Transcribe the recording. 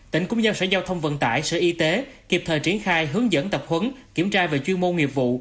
tỉnh cũng giao sở giao thông vận tải sở y tế kịp thời triển khai hướng dẫn tập huấn kiểm tra về chuyên môn nghiệp vụ